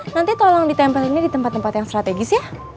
nanti tolong ditempelinnya di tempat tempat yang strategis ya